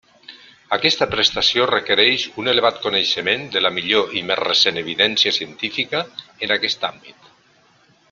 Aquesta prestació requereix un elevat coneixement de la millor i més recent evidència científica en aquest àmbit.